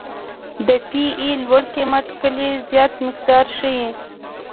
د پی ای لوړ قیمت د کلې زیات مقدار ښیي